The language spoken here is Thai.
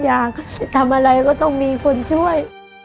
อยากจะทำอะไรก็ต้องมีคนช่วย